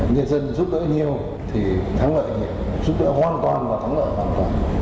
nhân dân giúp đỡ nhiều thì thắng lợi này giúp đỡ hoàn toàn và thắng lợi hoàn toàn